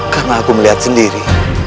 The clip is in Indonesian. karena aku melihat sendiri